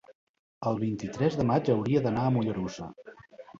el vint-i-tres de maig hauria d'anar a Mollerussa.